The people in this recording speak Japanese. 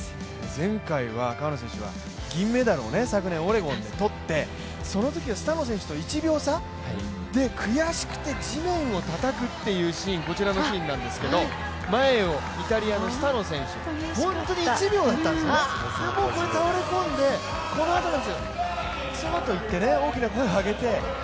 前回は川野選手は銀メダルを昨年オレゴンで取ってそのときはスタノ選手と１秒差、悔しくて地面をたたくという、こちらのシーンなんですけど、前をイタリアのスタノ選手、本当に１秒だったんです、倒れ込んで、このあとなんですよ、大きな声を上げて。